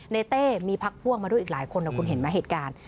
เต้มีพักพ่วงมาด้วยอีกหลายคนนะคุณเห็นไหมเหตุการณ์